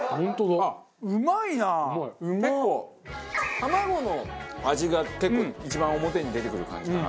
卵の味が結構一番表に出てくる感じかな。